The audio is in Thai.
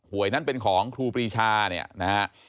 วยนั้นเป็นของครูปรีชาเนี่ยนะฮะ